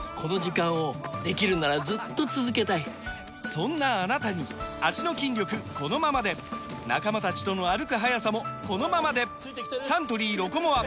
そんなあなたに脚の筋力このままで仲間たちとの歩く速さもこのままでサントリー「ロコモア」！